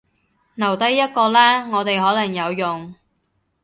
留低一個啦，我哋可能有用